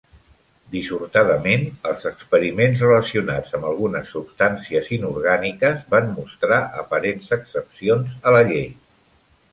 Dissortadament, els experiments relacionats amb algunes substàncies inorgàniques van mostrar aparents excepcions a la llei.